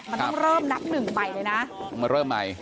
มันต้องเริ่มนับหนึ่งใหม่เลยนะต้องมาเริ่มใหม่